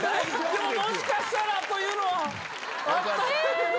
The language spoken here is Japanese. でももしかしたらというのはあったんやけど。